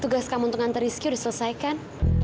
tugas kamu untuk mencari rizky sudah selesaikan